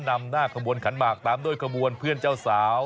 นำหน้าขบวนขันหมากตามด้วยขบวนเพื่อนเจ้าสาว